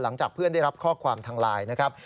หลังจากเพื่อนได้รับข้อความทางไลน์นะครับ